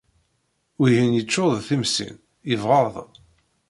Wihin yeččur d tismin, yebɣeḍ